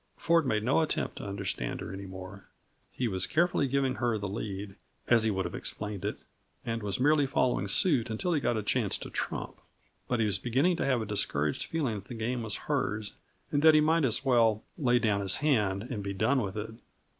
Ford made no attempt to understand her, any more. He was carefully giving her the lead, as he would have explained it, and was merely following suit until he got a chance to trump; but he was beginning to have a discouraged feeling that the game was hers, and that he might as well lay down his hand and be done with it.